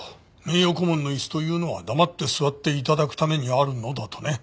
名誉顧問の椅子というのは黙って座って頂くためにあるのだとね。